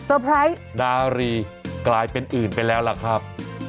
ไพรส์นารีกลายเป็นอื่นไปแล้วล่ะครับ